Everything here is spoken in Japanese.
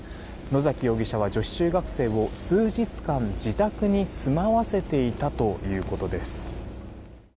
野崎容疑者は女子中学生を数日間、自宅に住まわせていたということです。